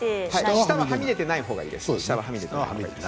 下ははみ出ていないほうがいいですね。